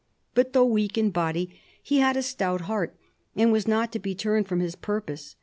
But, though weak in body, he had a stout heart, and was not to be turned from his purpose.